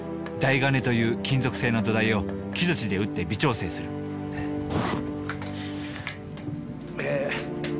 台金という金属製の土台を木づちで打って微調整するえ